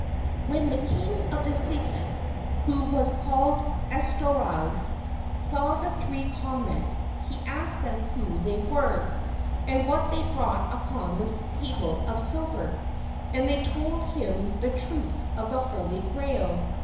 When the king of the city, who was called Estorause, saw the three comrades he asked them who they were and what they brought upon the table of silver, and they told him the truth of the Holy Grail.